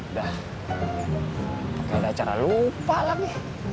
gak kayak ada cara lupa lagi